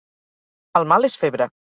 El mal és febre.